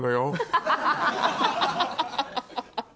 ハハハハ！